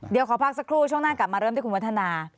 เดี๋ยวขอพักสักครู่ช่วงหน้ากลับมาเริ่มที่คุณวัฒนา